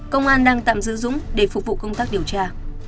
công an đang tạm giữ dũng để phục vụ công tác điều tra